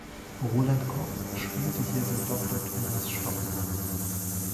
Roland Koch spielte hier den Doktor Thomas Stockmann.